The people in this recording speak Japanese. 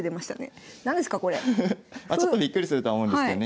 まあちょっとびっくりするとは思うんですけどね。